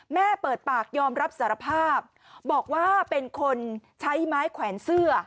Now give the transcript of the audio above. แม่เปิดปากยอมรับสารภาพบอกว่าเป็นคนใช้ไม้แขวนเสื้อ